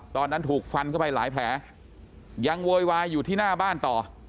ตอนนั้นถูกฟันเข้าไปหลายแผลยังโวยวายอยู่ที่หน้าบ้านต่อ